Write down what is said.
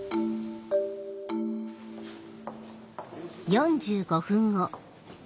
４５分後。